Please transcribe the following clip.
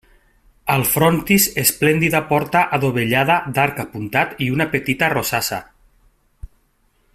Al frontis esplèndida porta adovellada d'arc apuntat i una petita rosassa.